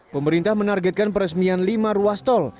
pemerintah menargetkan peresmian lima ruas tol